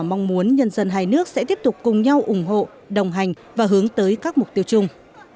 mong muốn nhân dân hai nước sẽ tiếp tục cùng nhau ủng hộ đồng hành và hướng tới các mục tiêu chung